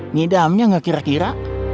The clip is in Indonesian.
ngedamnya gak kira kira